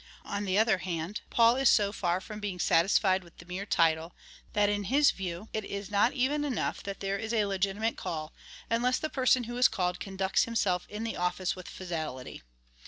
On the other hand, Paul is so far from being satisfied with the mere title, that, in his view, it is not even enough that there is a legitimate call, unless the person who is called conducts himself in the office with fidelity.